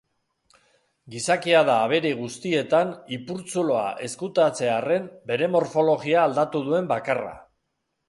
Gizakia da abere guztietan ipurtzuloa ezkutatzearren bere morfologia aldatu duen bakarra.